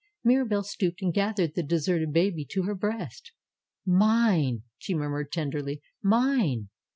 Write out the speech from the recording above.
Mirabelle stooped and gathered the deserted baby to her breast. ^^Mine!" she murmured tenderly. "Mine!"